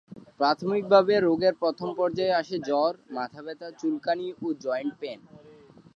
প্রাথমিকভাবে, রোগের প্রথম পর্যায়ে আসে জ্বর, মাথাব্যথা, চুলকানি ও জয়েন্ট পেন।